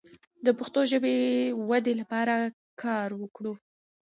د پښتو ژبې د ودې لپاره کار وکړو.